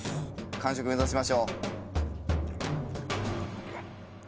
完食目指しましょう。